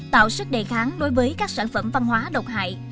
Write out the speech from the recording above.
tạo sức đề kháng đối với các sản phẩm văn hóa độc hại